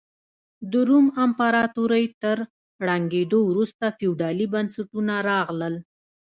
د روم امپراتورۍ تر ړنګېدو وروسته فیوډالي بنسټونه راغلل.